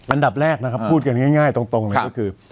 อันดับแรกนะครับพูดกันง่ายตรงเลยก็คือ